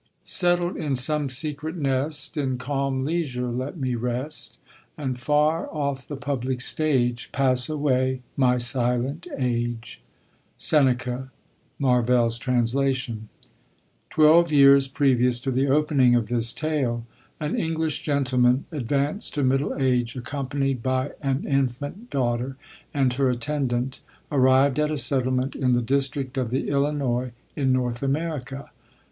Settled in some secret nest, In calm leisure let me rest ; And far off the public stage, Pass aAvay my silent age. Seneca. — Marvell's Trans. Twelve years previous to the opening of this tale, an English gentleman, advanced to middle age, accompanied by an infant daughter, and her attendant, arrived at a settlement in the district of the Illinois in North America.